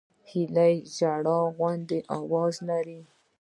هیلۍ د ژړا غوندې آواز لري